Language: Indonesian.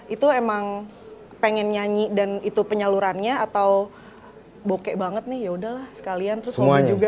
itu emang pengen nyanyi dan itu penyalurannya atau bokeh banget nih yaudah lah sekalian terus ngomongin juga